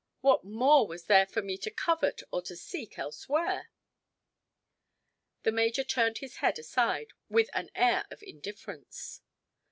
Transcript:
What more was there for me to covet or to seek elsewhere?" The major turned his head aside with an air of indifference.